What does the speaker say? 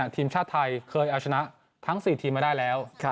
ทีมชาติไทยเคยเอาชนะทั้ง๔ทีมมาได้แล้ว